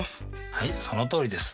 はいそのとおりです。